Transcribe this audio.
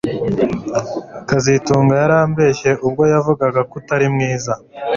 kazitunga yarambeshye ubwo yavugaga ko utari mwiza